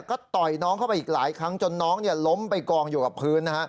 ก็ต่อยน้องเข้าไปอีกหลายครั้งจนน้องล้มไปกองอยู่กับพื้นนะฮะ